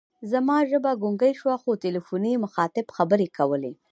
زما ژبه ګونګۍ شوه، خو تلیفوني مخاطب خبرې کولې.